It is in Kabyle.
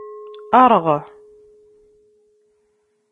Erɣ.